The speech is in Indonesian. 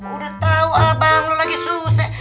udah tau abang lo lagi susah